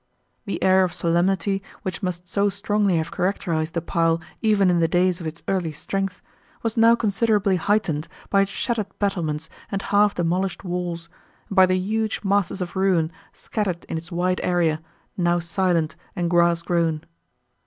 The air of solemnity, which must so strongly have characterised the pile even in the days of its early strength, was now considerably heightened by its shattered battlements and half demolished walls, and by the huge masses of ruin, scattered in its wide area, now silent and grass grown.